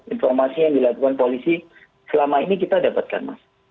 informasi yang dilakukan polisi selama ini kita dapatkan mas